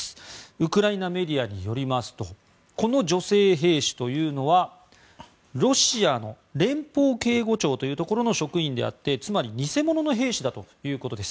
ウクライナメディアによりますとこの女性兵士というのはロシアの連邦警護庁というところの職員であってつまり偽物の兵士だということです。